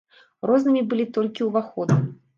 Рознымі былі толькі ўваходы.